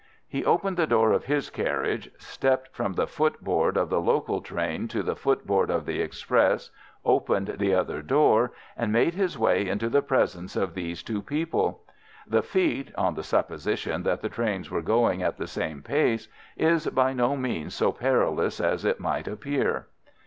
He opened the door of his carriage, stepped from the footboard of the local train to the footboard of the express, opened the other door, and made his way into the presence of these two people. The feat (on the supposition that the trains were going at the same pace) is by no means so perilous as it might appear.